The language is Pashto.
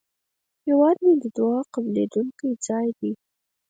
هیواد مې د دعاوو قبلېدونکی ځای دی